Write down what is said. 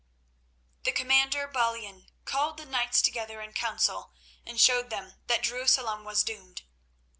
The commander Balian called the knights together in council, and showed them that Jerusalem was doomed.